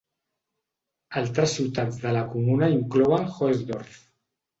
Altres ciutats de la comuna inclouen Hoesdorf.